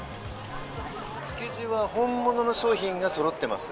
築地は本物の商品がそろってます。